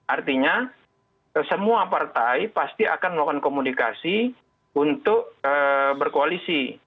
artinya semua partai pasti akan melakukan komunikasi untuk berkoalisi